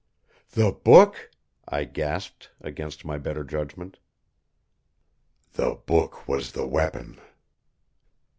"The book?" I gasped, against my better judgment. "The book was the weapon."